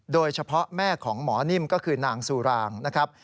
แม่ของหมอนิ่มก็คือนางสุรางนะครับ